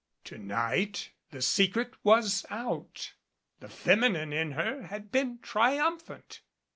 To night the secret was out. The feminine in her had been triumphant.